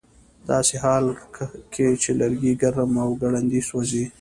ه داسې حال کې چې لرګي ګرم او ګړندي سوځي